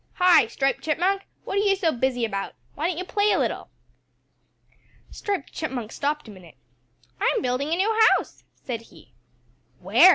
"Hi, Striped Chipmunk, what are you so busy about? Why don't you play a little?" Striped Chipmunk stopped a minute. "I'm building a new house," said he. "Where?"